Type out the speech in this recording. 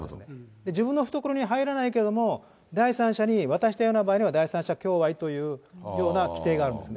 自分の懐に入らないけども、第三者に渡したような場合には、第三者供賄というような規定があるんですね。